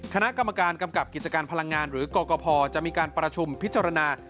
คณะกรรมการกำกับกิจการพลังงานหรือกรกภจะมีการประชุมพิจารณา